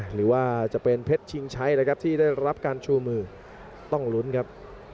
หรือว่าจะเป็นเพชรชิงชัยนะครับที่ได้รับการชูมือต้องลุ้นครับ